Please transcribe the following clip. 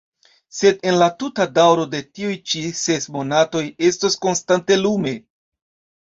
Sed en la tuta daŭro de tiuj ĉi ses monatoj estos konstante lume.